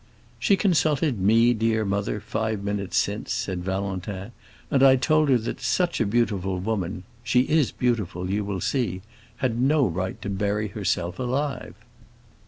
"She consulted me, dear mother, five minutes since," said Valentin, "and I told her that such a beautiful woman—she is beautiful, you will see—had no right to bury herself alive."